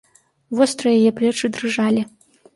Вострыя яе плечы дрыжалі.